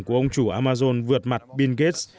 của ông chủ amazon vượt mặt bill gates